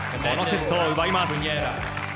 このセットを奪います。